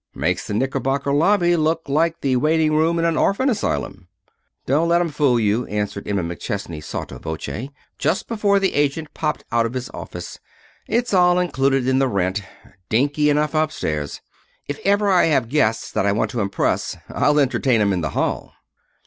"Makes the Knickerbocker lobby look like the waiting room in an orphan asylum." "Don't let 'em fool you," answered Emma McChesney, sotto voce, just before the agent popped out of his office. "It's all included in the rent. Dinky enough up stairs. If ever I have guests that I want to impress I'll entertain 'em in the hall."